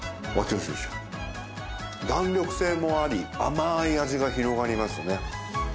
弾力性もあり甘い味が広がりますね。